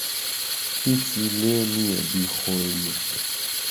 ھیچی لێ نییە بیخۆین.